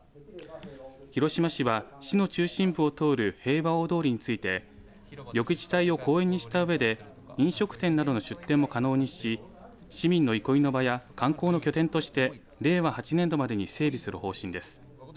広島市は市の中心部を通る平和大通りについて緑地帯を公園にしたうえで飲食店などの出店も可能にし市民の憩いの場や観光の拠点として令和８年度までに整備する方針です。